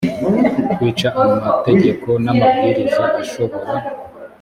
kwica amategeko n amabwiriza ashobora